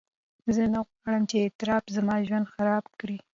زه نه غواړم چې اضطراب زما ژوند خراب کړي.